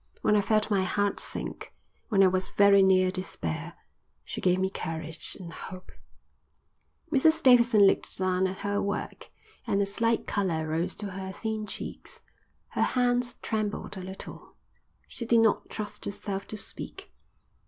When I felt my heart sink, when I was very near despair, she gave me courage and hope." Mrs Davidson looked down at her work, and a slight colour rose to her thin cheeks. Her hands trembled a little. She did not trust herself to speak.